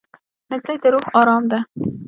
نجلۍ د روح ارام ده.